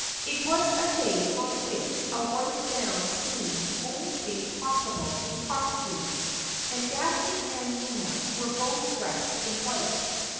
It was a day on which a white gown seemed the only thing possible in costume, and Daphne and Lina were both dressed in white.